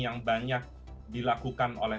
yang banyak dilakukan oleh